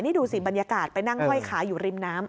นี่ดูสิบรรยากาศไปนั่งห้อยขาอยู่ริมน้ำ